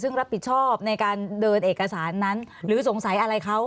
ซึ่งรับผิดชอบในการเดินเอกสารนั้นหรือสงสัยอะไรเขา